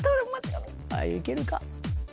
あゆいけるか？